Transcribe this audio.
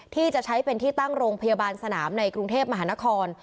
ที่จะใช้เป็นที่ตั้งโรงพยาบาลสนามในกรุงเทพมหานคร